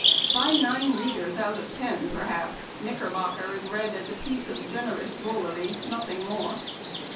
" By nine readers out of ten, perhaps, Knick erbocker is read as a piece of generous drollery, nothing more.